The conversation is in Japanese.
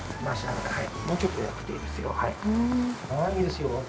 もうちょっと、やっていいですよ。